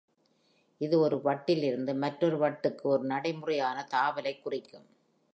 இது ஒரு வட்டிலிருந்து மற்றொரு வட்டுக்கு, ஒரு நடைமுறையான தாவலைக் குறிக்கும்.